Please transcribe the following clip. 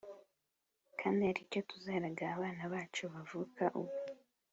kandi ari cyo tuzaraga abana bacu bavuka ubu